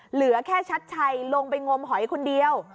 เหลือแค่ชัดชัยลงไปงมหอยคนเดียว